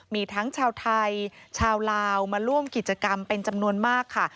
มีทั้งชาวไทยชาวลาวมาร่วมกิจกรรมเป็นจำนวนมากค่ะ